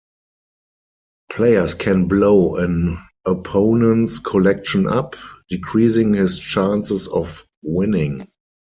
Players can blow an opponent's collection up, decreasing his chances of winning.